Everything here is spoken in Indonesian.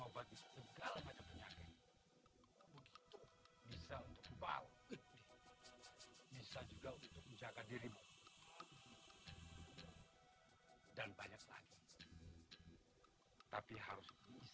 bagus bagus ya bagus